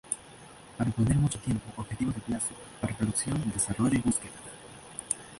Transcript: Para poner mucho tiempo-objetivos de plazo para producción, desarrollo, y búsqueda.